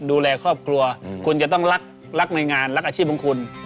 ดูแลครอบครัวคุณจะต้องรักในงานรักอาชีพของคุณ